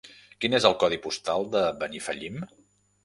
Quin és el codi postal de Benifallim?